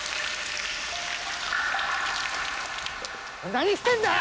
何してんだよ！